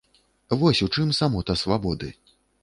Вось у чым самота свабоды.